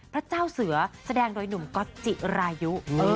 พระเจ้าเสือแสดงโดยหนุ่มก๊อตจิรายุ